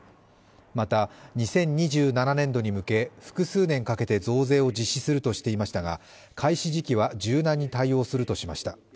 また２０２７年度に向け複数年かけて増税を実施するとしていましたが開始時期は柔軟に対応するとしました。